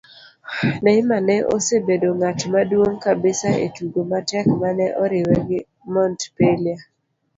Neymar ne osebedo ng'at maduog' kabisa e tugo matek mane oriwe gi Montpellier